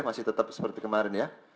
masih tetap seperti kemarin ya